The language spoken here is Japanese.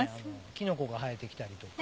キノコが生えてきたりとか。